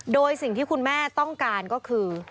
โดยสิ่งที่คุณแม่ต้องการก็คือ